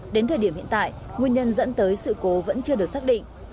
đến thời điểm hiện tại nguyên nhân dẫn tới sự cố vẫn chưa được xác định